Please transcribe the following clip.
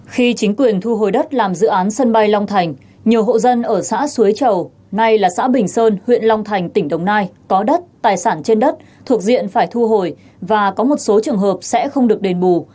khi chính quyền thu hồi đất làm dự án sân bay long thành nhiều hộ dân ở xã suối chầu nay là xã bình sơn huyện long thành tỉnh đồng nai có đất tài sản trên đất thuộc diện phải thu hồi và có một số trường hợp sẽ không được đền bù